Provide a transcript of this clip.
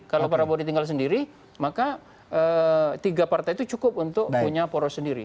kalau prabowo ditinggal sendiri maka tiga partai itu cukup untuk punya poros sendiri